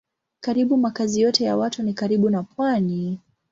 Karibu makazi yote ya watu ni karibu na pwani.